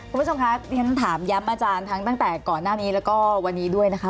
คุณผู้ชมคะที่ฉันถามย้ำอาจารย์ทั้งตั้งแต่ก่อนหน้านี้แล้วก็วันนี้ด้วยนะคะ